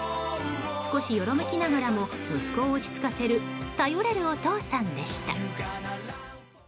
少しよろめきながらも息子を落ち着かせる頼れるお父さんでした。